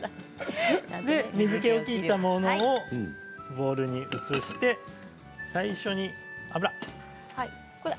水けを切ったものをボウルに移して最初に油。